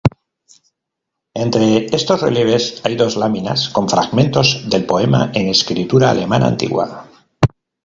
Entre estos relieves hay dos láminas con fragmentos del poema en escritura alemana antigua.